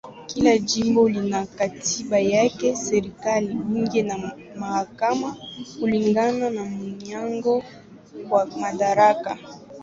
Kila jimbo lina katiba yake, serikali, bunge na mahakama kulingana na mgawanyo wa madaraka.